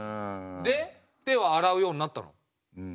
で手は洗うようになったの？